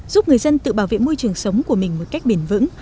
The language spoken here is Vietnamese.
giúp người dân tự bảo vệ môi trường sống của mình một cách bền vững